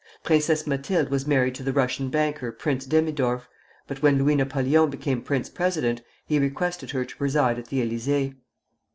Princess Mathilde was married to the Russian banker, Prince Demidorff; but when Louis Napoleon became prince president, he requested her to preside at the Élysée.